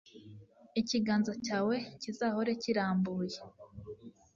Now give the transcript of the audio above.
Ikiganza cyawe kizahore kiramburiye